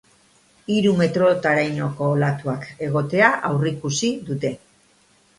Hiru metrorainoko olatuak egotea aurreikusi dute.